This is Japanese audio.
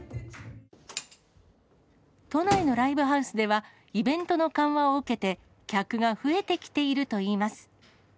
都内のライブハウスでは、イベントの緩和を受けて、客が増えてきているといいます。